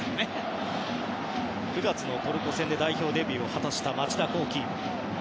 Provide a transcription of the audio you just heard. ９月のトルコ戦で代表デビューを果たした町田浩樹。